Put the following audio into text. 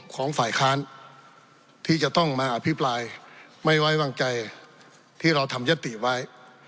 ของฝ่ายค้านที่จะต้องมาอภิปรายไม่ไว้วางใจที่เราทำยติไว้